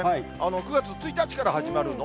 ９月１日から始まるの？